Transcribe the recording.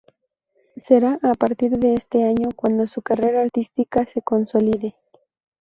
Será a partir de este año cuando su carrera artística se consolide.